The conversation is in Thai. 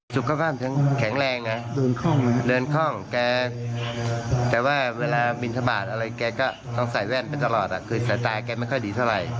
สุขภาพแข็งแรงนะเดินคล่องแกแต่ว่าเวลาบินทบาทอะไรแกก็ต้องใส่แว่นไปตลอดคือสไตล์แกไม่ค่อยดีเท่าไหร่